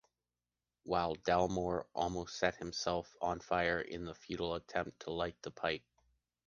While Dalmor almost set himself on fire in the futile attempt to light the pipe.